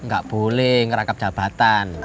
gak boleh ngerangkap jabatan